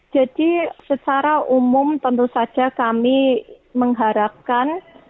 jadi secara umum tentu saja kami mengharapkan